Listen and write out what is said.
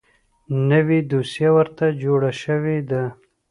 نوې دوسیه ورته جوړه شوې ده .